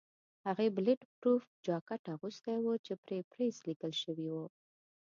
هغې بلېټ پروف جاکټ اغوستی و چې پرې پریس لیکل شوي وو.